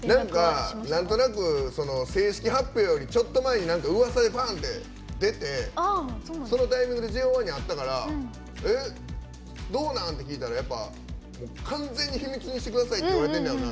なんとなく正式発表よりちょっと前にうわさで出てそのタイミングでＪＯ１に会ったからえ、どうなん？って聞いたら完全に秘密にしてくださいって言われてるんやろうな。